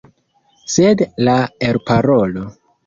Sed la elparolo!